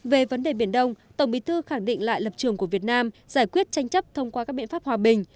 về vấn đề biển đông tổng bí thư khẳng định lại lập trường của việt nam giải quyết tranh chấp thông qua các biện pháp hòa bình